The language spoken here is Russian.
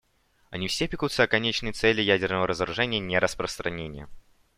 Они все пекутся о конечной цели ядерного разоружения и нераспространения.